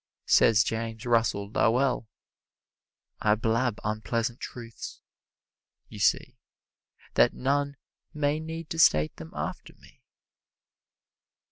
Says James Russell Lowell, "I blab unpleasant truths, you see, that none may need to state them after me."